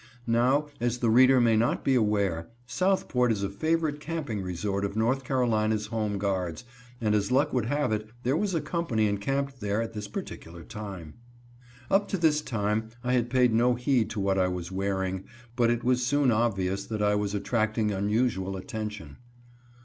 Now, as the reader may not be aware, Southport is a favorite camping resort of North Carolina's home guards, and as luck would have it, there was a company encamped there at this particular time. Up to this time I had paid no heed to what I was wearing, but it was soon obvious that I was attracting unusual attention.